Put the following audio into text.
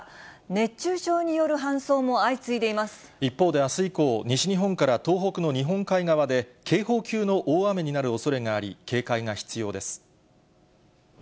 熱中症による搬送も相次いでいま一方であす以降、西日本から東北の日本海側で、警報級の大雨になるおそれがあり、警戒が必要です。